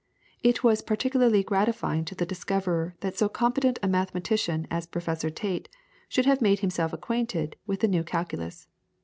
It was particularly gratifying to the discoverer that so competent a mathematician as Professor Tait should have made himself acquainted with the new calculus.